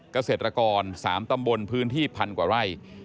เกษตรกร๓ตำบลพื้นที่พันกว่าไร่